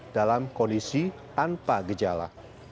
dalam kondisi tanpa gejala